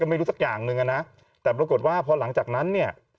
ไม่รู้สักอย่างหนึ่งอ่ะนะแต่ปรากฏว่าพอหลังจากนั้นเนี่ย